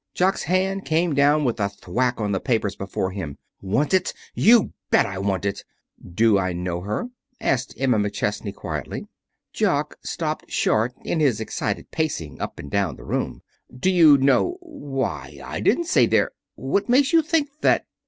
Jock's hand came down with a thwack on the papers before him. "Want it! You just bet I want it." "Do I know her?" asked Emma McChesney quietly. Jock stopped short in his excited pacing up and down the room. "Do you know Why, I didn't say there What makes you think that